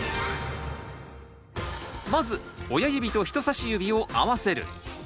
まず親指と人さし指を合わせる。